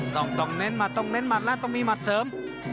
ต้องเน้นหมัดต้องเน้นหัดแล้วต้องมีหมัดเสริม